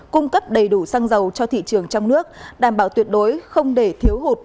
cung cấp đầy đủ xăng dầu cho thị trường trong nước đảm bảo tuyệt đối không để thiếu hụt